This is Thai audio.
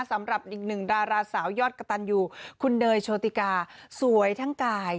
สำหรับอีกหนึ่งดาราสาวยอดกระตันยูคุณเนยโชติกาสวยทั้งกาย